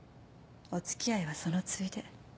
おつきあいはそのついで。